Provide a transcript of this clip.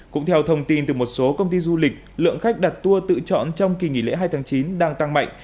cũng theo thông tin từ một số công ty du lịch lượng khách đặt tour tự chọn trong kỳ nghỉ lễ hai tháng chín đang tăng mạnh